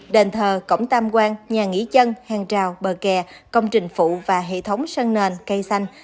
đền thờ cổng tam quan nhà nghỉ chân hàng trào bờ kè công trình phụ và hệ thống sân nền cây xanh